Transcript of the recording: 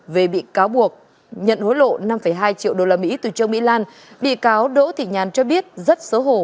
về bị cáo buộc nhận hối lộ năm hai triệu usd từ trương mỹ lan bị cáo đỗ thị nhàn cho biết rất xấu hổ